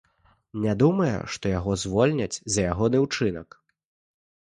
Не думае, што яго звольняць за ягоны ўчынак.